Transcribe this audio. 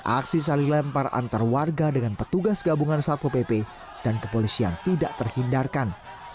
aksi saling lempar antar warga dengan petugas gabungan satpo pp dan kepolisian tidak terhindarkan